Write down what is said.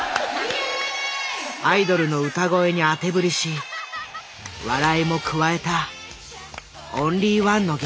アイドルの歌声に当て振りし笑いも加えたオンリーワンの芸。